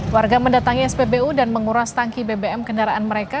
warga mendatangi spbu dan menguras tangki bbm kendaraan mereka